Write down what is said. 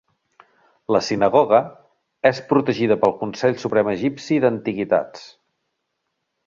La sinagoga és protegida pel consell suprem egipci d'antiguitats.